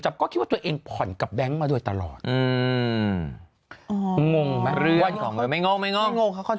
ไม่งงหมายความนึง